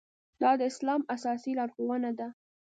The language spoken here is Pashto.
دا د اسلام اساسي لارښوونه ده.